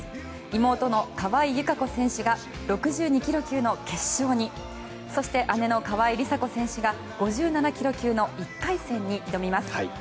妹の川井友香子選手が６２ｋｇ級の決勝にそして、姉の川井梨紗子選手が５７ｋｇ級の１回戦に挑みます。